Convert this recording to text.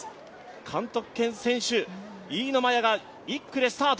監督兼選手、飯野摩耶が１区でスタート。